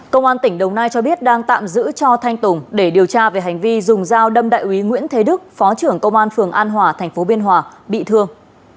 công an tỉnh đồng nai cho biết đang tạm giữ cho thanh tùng để điều tra về hành vi dùng dao đâm đại úy nguyễn thế đức phó trưởng công an phường an hòa thành phố biên hòa bị thương